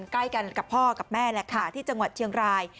ใกล้กันกับพ่อกับแม่แหละค่ะที่จังหวัดเชียงราย